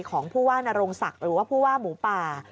ของผู้ว่านโรงศักดิ์หรือว่าผู้ว่าหมูป่า